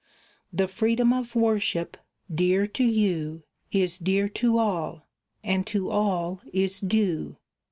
The freedom of worship, dear to you, Is dear to all, and to all is due.